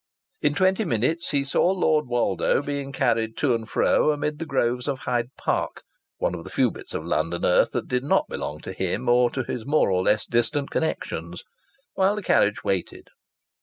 In twenty minutes he saw Lord Woldo being carried to and fro amid the groves of Hyde Park (one of the few bits of London earth that did not belong to him or to his more or less distant connections) while the carriage waited.